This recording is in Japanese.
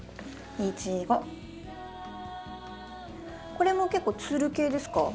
これも結構つる系ですか？